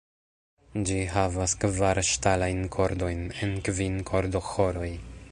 Ĝi havas kvar ŝtalajn kordojn en kvin kordoĥoroj.